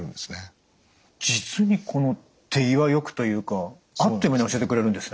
実に手際よくというかあっという間に教えてくれるんですね。